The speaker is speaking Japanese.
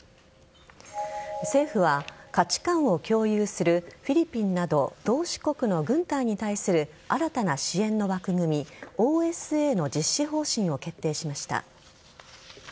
政府が価値観を共有するフィリピンなど同志国の軍隊に対する新たな支援の枠組みＯＳＡの実施方針を決定しました。